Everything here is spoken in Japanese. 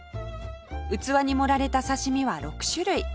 器に盛られた刺し身は６種類